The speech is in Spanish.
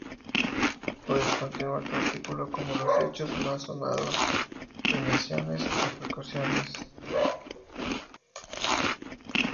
Puedes continuar tu artículo como los hechos más sonados, premiaciones, repercusiones...